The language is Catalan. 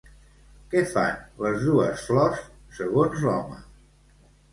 Què fan les dues flors segons l'home?